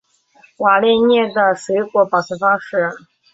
瓦列涅的水果保存方式。